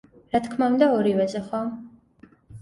რა თქმა უნდა ორივეზე, ხო?